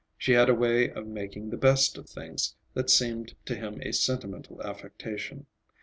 She had a way of making the best of things that seemed to him a sentimental affectation.